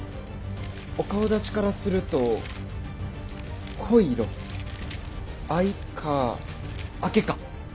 お顔だちからすると濃い色藍か緋か。